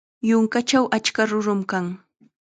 Yunkachaw achka kurum kan.